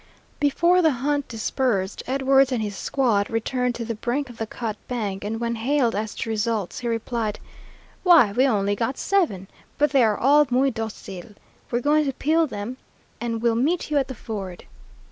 Before the hunt dispersed, Edwards and his squad returned to the brink of the cut bank, and when hailed as to results, he replied, "Why, we only got seven, but they are all muy docil. We're going to peel them and will meet you at the ford."